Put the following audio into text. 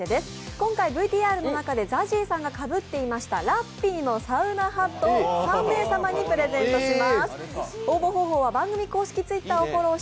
今回ＶＴＲの中でＺＡＺＹさんがかぶっていましたラッピーのサウナハットを３名様にプレゼントします。